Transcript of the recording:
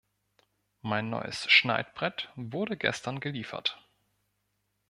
Mein neues Schneidbrett wurde gestern geliefert.